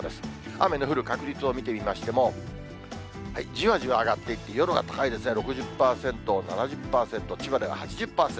雨の降る確率を見てみましても、じわじわ上がっていって、夜は高いですね、６０％、７０％、千葉では８０％。